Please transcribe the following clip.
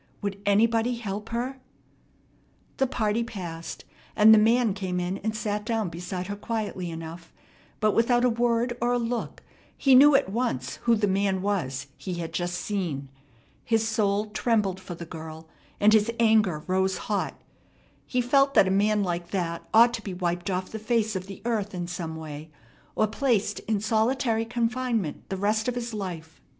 Would anybody help her? The party passed, and the man came in and sat down beside her quietly enough; but without a word or a look he knew at once who the man was he had just seen. His soul trembled for the girl, and his anger rose hot. He felt that a man like that ought to be wiped off the face of the earth in some way, or placed in solitary confinement the rest of his life.